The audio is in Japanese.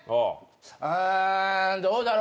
あどうだろう？